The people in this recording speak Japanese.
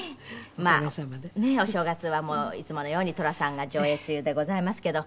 お正月はもういつものように『寅さん』が上映中でございますけど。